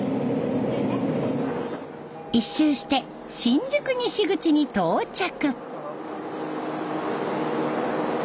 一周して新宿西口に到着。